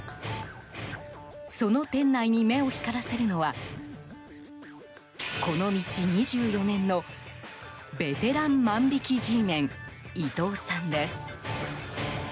その店内に目を光らせるのはこの道２４年のベテラン万引きＧメン伊東さんです。